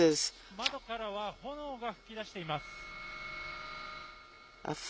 窓からは炎が噴き出しています。